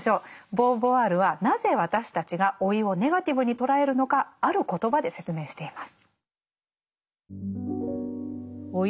ボーヴォワールはなぜ私たちが老いをネガティブに捉えるのかある言葉で説明しています。